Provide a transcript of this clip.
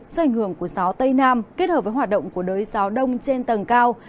do ảnh hưởng của gió tây nam kết hợp với hoạt động của đới gió đông trên tầng cao